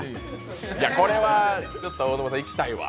これは大沼さん、行きたいわ。